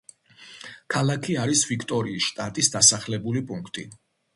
ქალაქი არის ვიქტორიის შტატის დასახლებული პუნქტი.